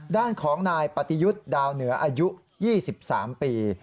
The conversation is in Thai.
ด้านของนายปฏิยุทธ์ดาวเหนืออายุ๒๓ปี